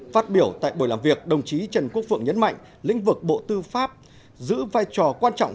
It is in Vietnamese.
phát biểu tại buổi làm việc đồng chí trần quốc phượng nhấn mạnh lĩnh vực bộ tư pháp giữ vai trò quan trọng